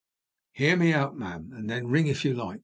"Hear me out, ma'am, and then ring if you like.